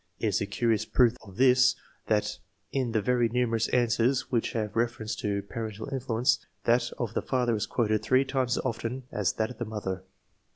It is a curious proof of this, that in the very numerous answers which have reference to parental influence, that of the father is quoted three times as often as that of the mother.